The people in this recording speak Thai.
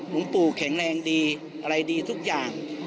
หลวงปู่แข็งแรงดีอะไรดีทุกอย่าง